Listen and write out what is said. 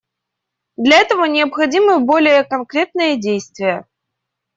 Для этого необходимы более конкретные действия.